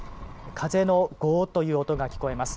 風のゴーという音が聞こえます。